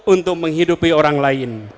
untuk menghidupi orang kota